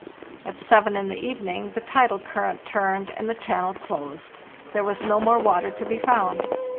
At seven in the evening the tidal current turned and the channel closed. There was no more water to be found.